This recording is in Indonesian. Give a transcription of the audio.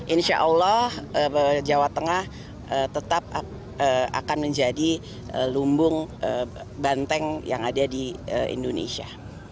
insya allah jawa tengah tetap akan menjadi lumbung banteng yang ada di indonesia